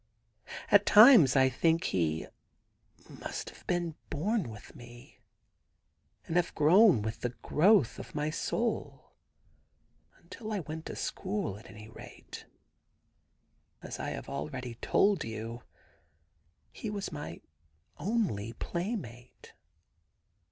At times I think he must have been born with me, and have grown with the growth of my soul. Until I went to school, at any rate, as I 78 THE GARDEN GOD have already told you, he was my only pla3anate.